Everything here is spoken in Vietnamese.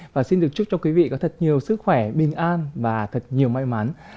và xin được chúc cho quý vị có thật nhiều sức khỏe bình an và thật nhiều may mắn